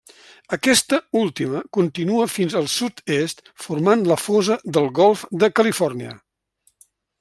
Aquesta última continua fins al sud-est formant la fossa del golf de Califòrnia.